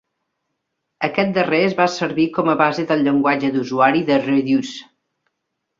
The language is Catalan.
Aquest darrer es va servir com a base del llenguatge d'usuari de Reduce.